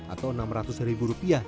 atau enam ratus rupiah